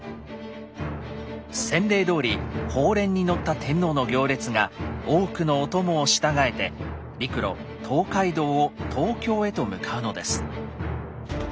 先例どおり鳳輦に乗った天皇の行列が多くのお供を従えて陸路東海道を東京へと向かうのです。